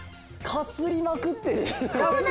かすりまくってる！